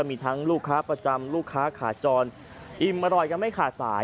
มีทั้งลูกค้าประจำลูกค้าขาจรอิ่มอร่อยกันไม่ขาดสาย